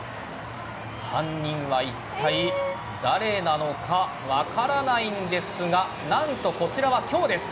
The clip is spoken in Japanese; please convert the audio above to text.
犯人はいったい、誰なのか分からないんですが何とこちらは今日です。